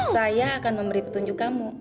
saya akan memberi petunjuk kamu